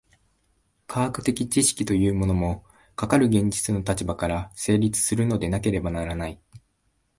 科学的知識というのも、かかる現実の立場から成立するのでなければならない。